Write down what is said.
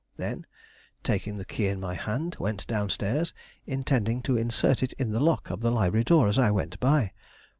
Then, taking the key in my hand, went down stairs, intending to insert it in the lock of the library door as I went by.